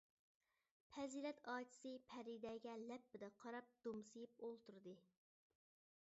پەزىلەت ئاچىسى پەرىدەگە لەپپىدە قاراپ دومسىيىپ ئولتۇردى.